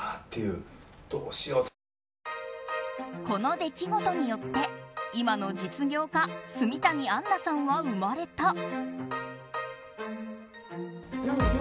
この出来事によって今の実業家住谷杏奈さんは生まれた。